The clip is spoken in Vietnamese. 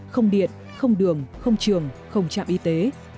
không điện không đường không trường không trạm y tế